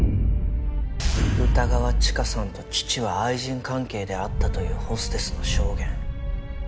歌川チカさんと父は愛人関係であったというホステスの証言。